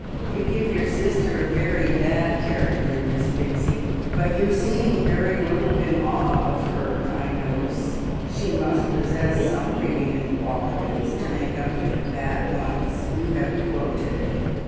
You give your sister a very bad character, Miss Pixie; but you seem very little in awe of her, I notice. She must possess some redeeming qualities to make up for the bad ones you have quoted."